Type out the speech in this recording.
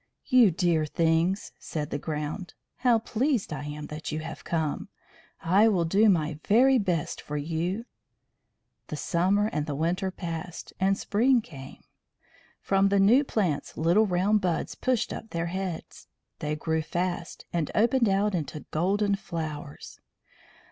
"You dear things!" said the Ground. "How pleased I am that you have come! I will do my very best for you." The summer and the winter passed, and spring came. From the new plants little round buds pushed up their heads. They grew fast, and opened out into golden flowers.